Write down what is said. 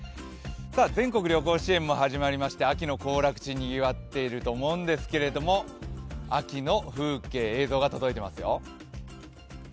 全国旅行支援も始まりまして秋の行楽地にぎわっていると思うんですけれども、秋の風景、映像が届いていますよ。